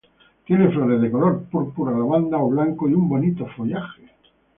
Tiene flores de color púrpura, lavanda o blanco y un bonito follaje.